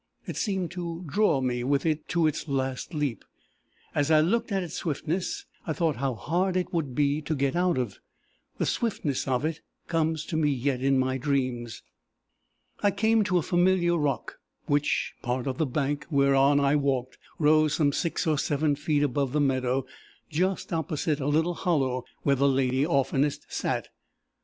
It seemed to draw me with it to its last leap. As I looked at its swiftness, I thought how hard it would be to get out of. The swiftness of it comes to me yet in my dreams. "I came to a familiar rock, which, part of the bank whereon I walked, rose some six or seven feet above the meadow, just opposite a little hollow where the lady oftenest sat.